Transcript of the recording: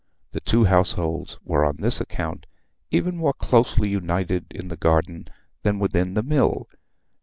The two households were on this account even more closely united in the garden than within the mill.